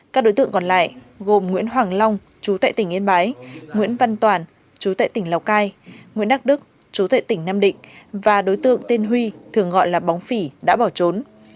các đối tượng còn lại gồm nguyễn hoàng long chú tại tỉnh yên bái nguyễn văn toàn chú tại tỉnh lào cai nguyễn đắc đức chú tại tỉnh nam định và đối tượng tên huy thường gọi là bóng phỉ đã bỏ trốn